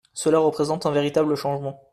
Cela représente un véritable changement.